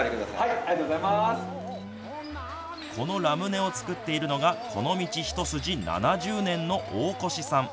このラムネを作っているのがこの道一筋７０年の大越さん。